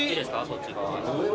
そっち側。